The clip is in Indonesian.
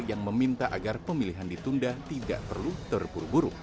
yang meminta agar pemilihan ditunda tidak perlu terburu buru